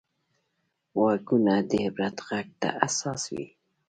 غوږونه د عبرت غږ ته حساس وي